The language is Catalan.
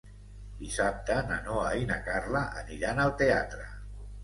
Dissabte na Noa i na Carla aniran al teatre.